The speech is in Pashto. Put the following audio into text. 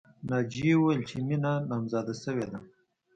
ناجیې وویل چې مینه نامزاده شوې ده